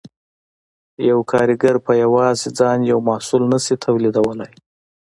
یو کارګر په یوازې ځان یو محصول نشي تولیدولی